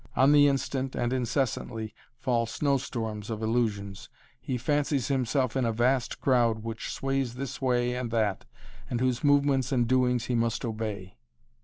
On the instant and incessantly fall snow storms of illusions. He fancies himself in a vast crowd which sways this way and that and whose movements and doings he must obey.